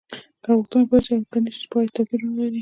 که غوښتنه پوره شي او که نشي باید توپیر ونلري.